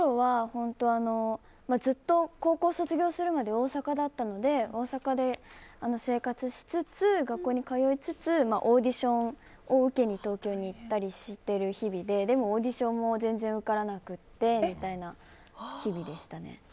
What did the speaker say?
本当、ずっと高校卒業するまで大阪だったので大阪で生活しつつ学校に通いつつオーディションを受けに東京に行ったりしている日々ででも、オーディションも全然受からなくてみたいな日々でしたね。